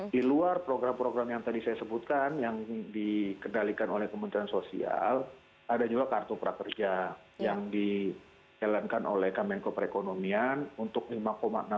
di luar program program yang tadi saya sebutkan yang dikendalikan oleh kementerian sosial ada juga kartu prakerja yang dijalankan oleh kemenko perekonomian untuk lima enam triliun